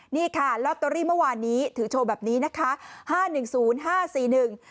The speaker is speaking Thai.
นี่ค่ะลอตเตอรี่เมื่อวานนี้ถือโชว์แบบนี้นะคะห้าหนึ่งศูนย์ห้าสี่หนึ่ง